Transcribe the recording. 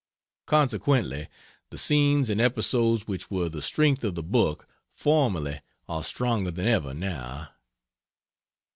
Consequently, the scenes and episodes which were the strength of the book formerly are stronger than ever, now.